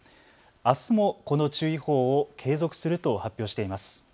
あすもこの注意報を継続すると発表しています。